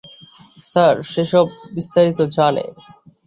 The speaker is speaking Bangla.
স্যার, সে সব বিস্তারিত জানে।